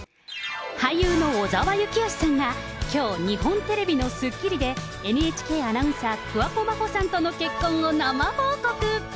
俳優の小澤征悦さんが、きょう、日本テレビのスッキリでＮＨＫアナウンサー、桑子真帆さんとの結婚を生報告。